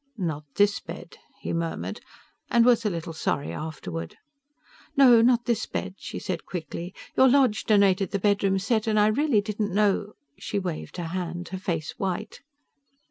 "Not this bed," he murmured, and was a little sorry afterward. "No, not this bed," she said quickly. "Your lodge donated the bedroom set and I really didn't know " She waved her hand, her face white.